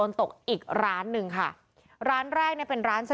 และก็คือว่าถึงแม้วันนี้จะพบรอยเท้าเสียแป้งจริงไหม